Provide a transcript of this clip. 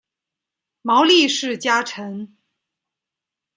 毛利氏家臣。